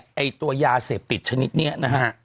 ไอ้ตัวยาเสพติดชนิดนี้นะฮะ